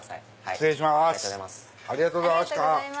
失礼します。